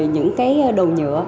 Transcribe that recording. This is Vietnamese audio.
những cái đồ nhựa